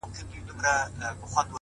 o چي د خندا خبري پټي ساتي،